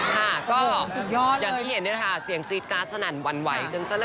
ค่ะก็อย่างที่เห็นนะคะเสียงกรีดกลาสนั่นวันไหวดึงซะละเกิน